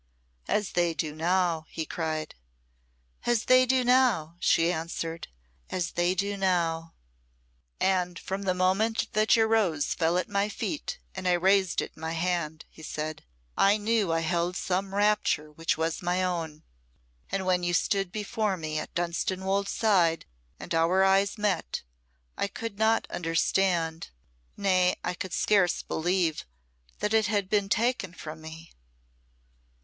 "As they do now," he cried. "As they do now," she answered "as they do now!" "And from the moment that your rose fell at my feet and I raised it in my hand," he said, "I knew I held some rapture which was my own. And when you stood before me at Dunstanwolde's side and our eyes met, I could not understand nay, I could scarce believe that it had been taken from me."